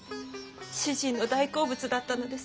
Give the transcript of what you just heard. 主人の大好物だったのです。